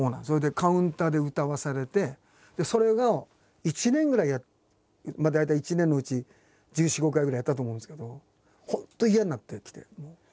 それでカウンターで歌わされてそれが１年ぐらいまあ大体１年のうち１４１５回ぐらいやったと思うんですけど本当嫌になってきてもう。